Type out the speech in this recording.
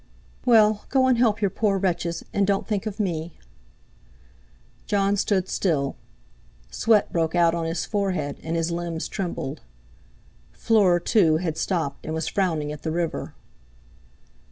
"Well, go and help your poor wretches, and don't think of me." Jon stood still. Sweat broke out on his forehead, and his limbs trembled. Fleur too had stopped, and was frowning at the river.